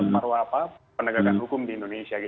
paru apa penegakan hukum di indonesia